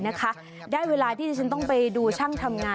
นับทางนับทางนับ